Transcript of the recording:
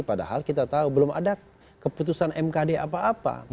padahal kita tahu belum ada keputusan mkd apa apa